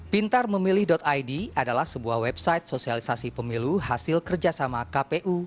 pintarmemilih id adalah sebuah website sosialisasi pemilu hasil kerjasama kpu